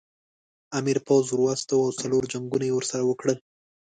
امیر پوځ ور واستاوه او څلور جنګونه یې ورسره وکړل.